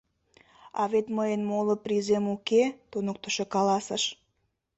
— А вет мыйын моло призем уке, — туныктышо каласыш.